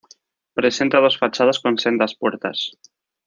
Presenta dos fachadas con sendas puertas.